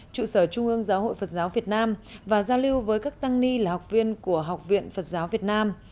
trụ sở trung ương giáo hội phật giáo việt nam và giao lưu với các tăng ni là học viên của học viện phật giáo việt nam